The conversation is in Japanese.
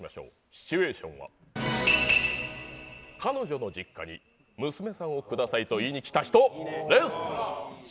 シチュエーションは彼女の実家に娘さんをくださいと言いに来た人です。